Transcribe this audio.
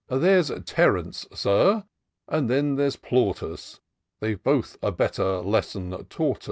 There's Terence, Sir, and then there's Plautus They've both a better lesson taught us."